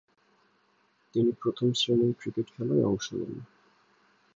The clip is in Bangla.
তিনি প্রথম-শ্রেণীর ক্রিকেট খেলায় অংশ নেন।